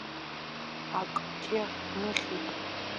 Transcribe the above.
Акгьы ҳмыхьит.